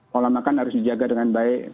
pola makan harus dijaga dengan baik